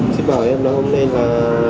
chị bảo em nói hôm nay là